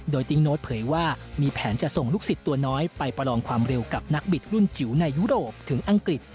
โดยติ๊งโน้ตเผยว่ามีแผนจะส่งลูกศิษย์ตัวน้อยไปประลองความเร็วกับนักบิดรุ่นจิ๋วในยุโรปถึงอังกฤษ